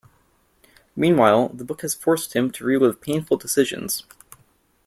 Meanwhile, the book has forced him to relive painful decisions.